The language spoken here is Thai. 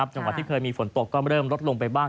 จังหวัดที่เคยมีฝนตกก็เริ่มลดลงไปบ้าง